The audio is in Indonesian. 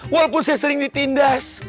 walaupun saya sering ditindas